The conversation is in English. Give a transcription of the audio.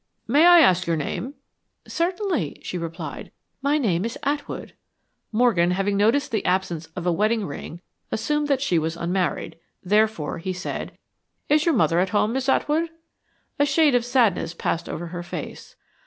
"May I ask your name?" "Certainly," she replied. "My name is Atwood." Morgan, having noticed the absence of a wedding ring, assumed that she was unmarried. Therefore, he said, "Is your mother at home, Miss Atwood?" A shade of sadness passed over her face.